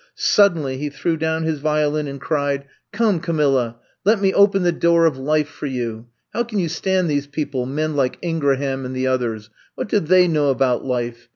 Suddenly he threw down his violin and cried : I'VE COMB TO STAY 139 Come, Camilla, let me open the door of life for you. How can you stand these people — ^men like Ingraham and the others t What do they know about life